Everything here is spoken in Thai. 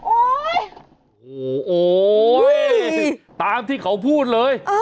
โอ้โหโอ๊ยตามที่เขาพูดเลย